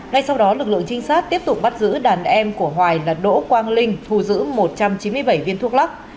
ngay sau đó lực lượng trinh sát tiếp tục bắt giữ đàn em của hoài là đỗ quang linh thu giữ một trăm chín mươi bảy viên thuốc lắc